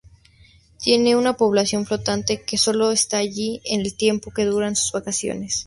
Tiene una población flotante que sólo está allí el tiempo que duran sus vacaciones.